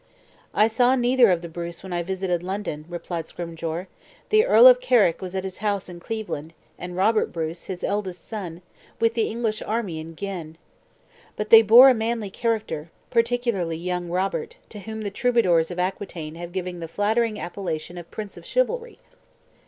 "I saw neither of the Bruce when I visited London," replied Scrymgeour; "the Earl of Carrick was at his house in Cleveland, and Robert Bruce, his eldest son, with the English army in Guienne. But they bore a manly character, particularly young Robert, to whom the troubadours of Aquitaine have given the flattering appellation of Prince of Chivalry."